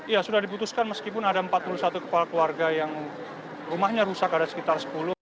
ya sudah diputuskan meskipun ada empat puluh satu kepala keluarga yang rumahnya rusak ada sekitar sepuluh